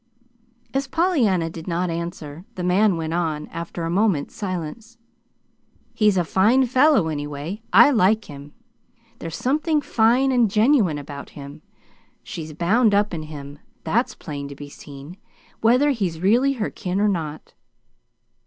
As Pollyanna did not answer, the man went on, after a moment's silence. "He's a fine fellow, anyway. I like him. There's something fine and genuine about him. She's bound up in him. That's plain to be seen, whether he's really her kin or not."